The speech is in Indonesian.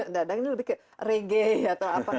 dan ini lebih ke reggae atau apa